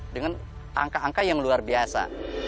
dengan angka angka yang luar biasa